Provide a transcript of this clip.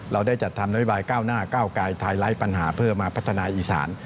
เราได้จัดทำนโยบายก้าวหน้าก้าวกายไฮไลท์ปัญหาเพื่อมาพัฒนาอีสาน